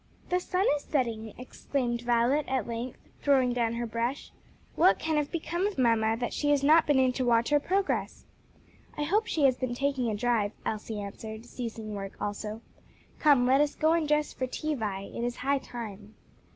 "The sun is setting," exclaimed Violet at length, throwing down her brush. "What can have become of mamma that she has not been in to watch our progress?" "I hope she has been taking a drive," Elsie answered, ceasing work also. "Come, let us go and dress for tea, Vi; it is high time."